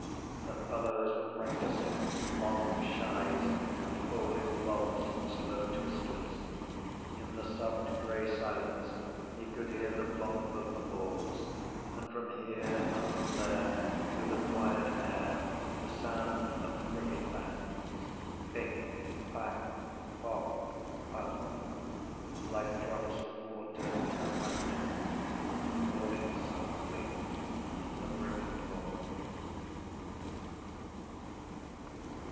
The fellows were practising long shies and bowling lobs and slow twisters. In the soft grey silence he could hear the bump of the balls: and from here and from there through the quiet air the sound of the cricket bats: pick, pack, pock, puck: like drops of water in a fountain falling softly in the brimming bowl.